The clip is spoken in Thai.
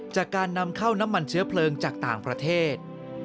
จากการนำเข้าน้ำมันเชื้อเพลิงจากต่างประเทศ